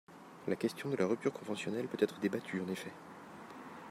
La question de la rupture conventionnelle peut être débattue, En effet